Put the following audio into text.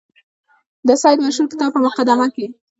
د سید مشهور کتاب په مقدمه کې.